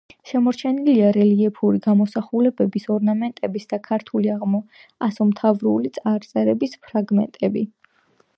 შემორჩენილია რელიეფური გამოსახულებების, ორნამენტების და ქართული ასომთავრული წარწერების ფრაგმენტები.